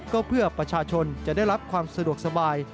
ก็เพื่อประชาชนจะได้รับความสะดวกสบาย